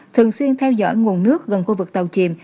thường xuyên theo dõi nguồn nước gần khu vực tàu chìm